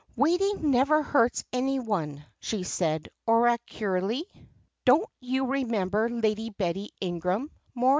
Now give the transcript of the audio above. "Waiting never hurts any one," she said, oracularly. "Don't you remember Lady Betty Ingram, Moritz?